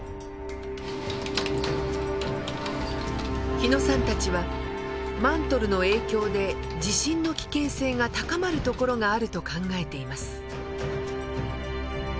日野さんたちはマントルの影響で地震の危険性が高まる所があると考えています。